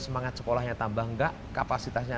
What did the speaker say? semangat sekolahnya tambah enggak kapasitasnya